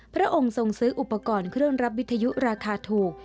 พระองค์ทรงซื้ออุปกรณ์เครื่องรับวิทยุราคาถูก